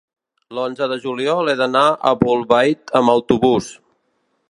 L'onze de juliol he d'anar a Bolbait amb autobús.